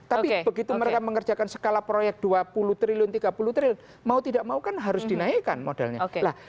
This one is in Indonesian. tapi begitu mereka mengerjakan skala proyek dua puluh triliun rp tiga puluh triliun mau tidak mau kan harus dinaikkan modalnya